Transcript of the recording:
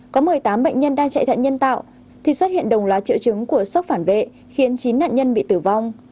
có một mươi tám bệnh nhân đang chạy thận nhân tạo thì xuất hiện đồng lá triệu chứng của sốc phản vệ khiến chín nạn nhân bị tử vong